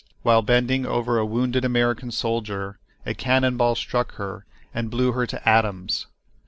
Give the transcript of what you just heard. While bending over a wounded American soldier a cannon ball struck her and blew her to atoms!